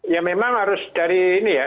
ya memang harus dari ini ya